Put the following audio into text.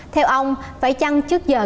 theo ông phải chăng trước giờ